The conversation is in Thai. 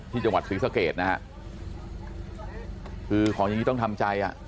ที่จังหวัดศรีสเกตนะฮะคือของแบบนี้ต้องทำใจอ่ะ